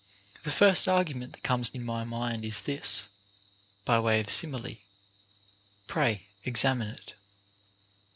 The first argument that comes in my mind is this, by way of simile ; pray examine it.